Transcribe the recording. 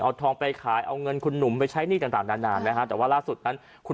เอาทองไปขายเอาเงินคุณหนุ่มไปใช้หนี้ต่างนานนะฮะแต่ว่าล่าสุดนั้นคุณ